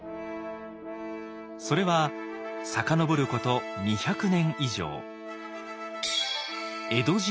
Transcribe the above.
それは遡ること２００年以上。